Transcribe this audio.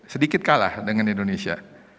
sedikit kalah dengan indonesia